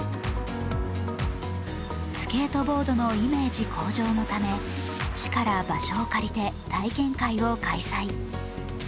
スケートボードのイメージ向上のため市から場所を借りて体験会を開催。